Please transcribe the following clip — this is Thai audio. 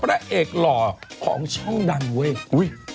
พระเอกหล่อของช่องดังเว้ย